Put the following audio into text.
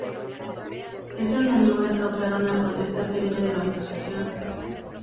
Estas maniobras causaron la protesta firme de la oposición.